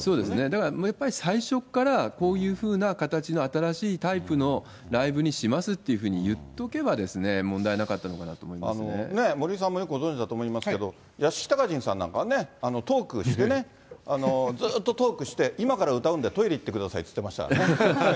だから最初から、こういうふうな形の新しいタイプのライブにしますっていうふうに言っとけば、問森さんもよくご存じだと思いますけれども、やしきたかじんさんなんかはね、トークしてね、ずっとトークして、今から歌うんでトイレ行ってくださいって言ってましたからね。